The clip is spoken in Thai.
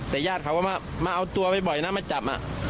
แต่ญาติเขาก็มาเอาตัวบ่อยนะมาจับ